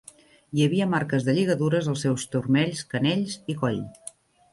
Hi havia marques de lligadures als sus turmells, canells i coll.